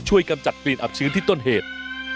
กำจัดกลิ่นอับชื้นที่ต้นเหตุ